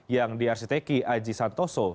yang diarsiteki aji santoso